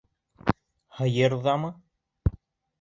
Һыйыр ҙамы?